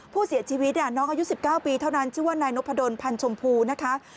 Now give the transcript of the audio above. ผู้เสียชีวิตน้องอายุ๑๙ปีเท่านั้นชื่อว่านายนพดลพันธ์ชมพูนะคะ